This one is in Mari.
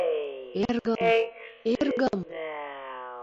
Эргым, эргым!..»